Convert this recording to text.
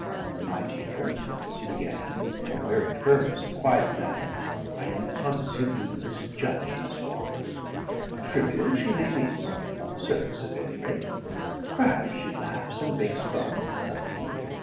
"My dear," she began in her very firmest quiet manner, "I am positive you misjudge Miss Waters. Trivial she may be on the surface at any rate. Perhaps she laughs and makes fun a little.